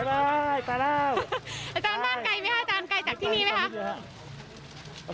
อาจารย์สอบไว้